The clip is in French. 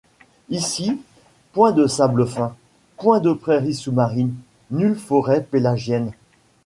Ici, point de sable fin, point de prairies sous-marines, nulle forêt pélagienne.